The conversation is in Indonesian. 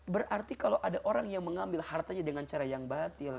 berarti kalau ada orang yang mengambil hartanya dengan cara yang batil